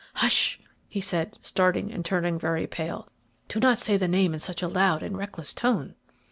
"Hush!" he said, starting and turning very pale. "Do not say the name in such a loud and reckless tone."